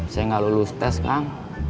saya gak lulus tes kan